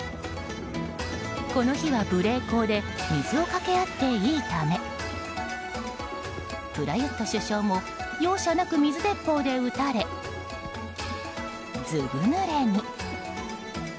この日は無礼講で水をかけあっていいためプラユット首相も容赦なく水鉄砲で撃たれ、ずぶぬれに。